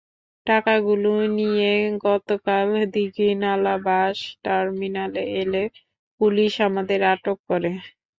টাকাগুলো নিয়ে গতকাল দীঘিনালা বাস টার্মিনালে এলে পুলিশ আমাদের আটক করে।